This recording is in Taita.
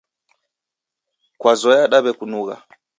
Kazoya daw'ekunugha.